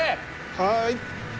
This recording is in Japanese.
はい。